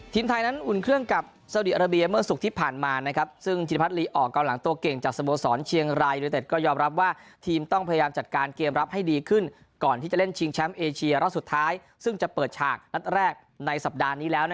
ทีมไทยนั้นอุ่นเครื่องกับสาวดีอาราเบียเมื่อศุกร์ที่ผ่านมาซึ่งธิรพัฒนลีออกกำลังตัวเก่งจากสโมสรเชียงรายยูนิเต็ดก็ยอมรับว่าทีมต้องพยายามจัดการเกมรับให้ดีขึ้นก่อนที่จะเล่นชิงแชมป์เอเชียรอบสุดท้ายซึ่งจะเปิดฉากนัดแรกในสัปดาห์นี้แล้ว